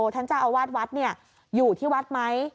ท่านเจ้าอาวาสวัดอยู่ที่วัดไหม